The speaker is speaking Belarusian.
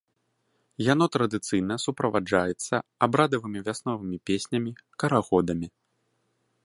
Яно традыцыйна суправаджаецца абрадавымі вясновымі песнямі, карагодамі.